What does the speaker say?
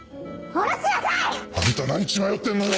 あんた何血迷ってんのよ！